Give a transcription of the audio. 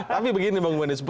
tapi begini bang boney